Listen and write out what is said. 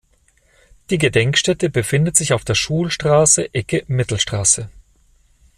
Die Gedenkstätte befindet sich auf der Schulstraße Ecke Mittelstraße.